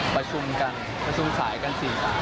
ประชุมกันประชุมสายกัน๔สาย